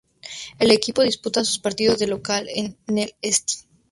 El equipo disputa sus partidos de local en el St.